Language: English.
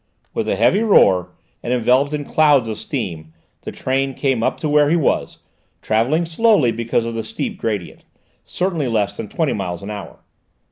With a heavy roar, and enveloped in clouds of steam, the train came up to where he was, travelling slowly because of the steep gradient, certainly less than twenty miles an hour.